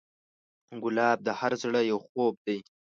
ګلاب د هر زړه یو خوب دی.